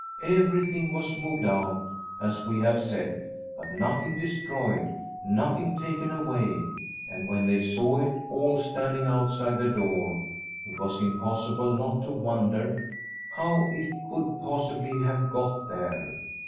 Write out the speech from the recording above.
Everything was moved out, as we have said, but nothing destroyed, nothing taken away, and when they saw it all standing outside the door it was impossible not to wonder how it could possibly have got there.